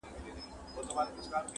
هغه جنتي حوره ته انسانه دا توپیر دی,